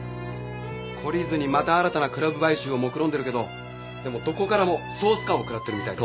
懲りずにまた新たなクラブ買収をもくろんでるけどでもどこからも総スカンを食らってるみたいです。